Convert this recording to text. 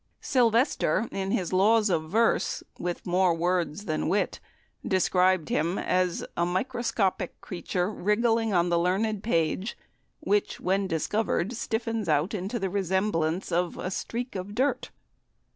Sylvester, in his "Laws of Verse," with more words than wit, described him as "a microscopic creature wriggling on the learned page, which, when discovered, stiffens out into the resemblance of a streak of dirt."